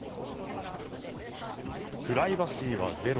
プライバシーはゼロ。